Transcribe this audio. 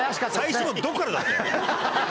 最初の「ド」からだったよ。